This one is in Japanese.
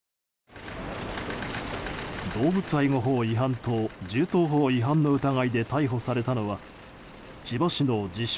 動物愛護法違反と銃刀法違反の疑いで逮捕されたのは千葉市の自称